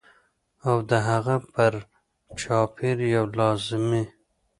او د هغه پر چاپېر یوې لازمي